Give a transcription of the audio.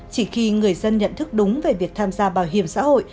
chỉ khi người dân nhận thức đúng về việc tham gia bảo hiểm xã hội